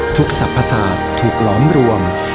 ทุกศพศาสตร์ถูกล้อมรวม